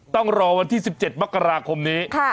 ต้องรอวันที่๑๗มกราคมนี้